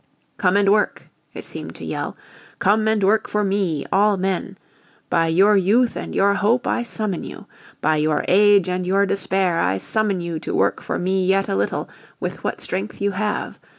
"Come and work!" it seemed to yell. "Come and work for Me, all men! By your youth and your hope I summon you! By your age and your despair I summon you to work for Me yet a little, with what strength you have.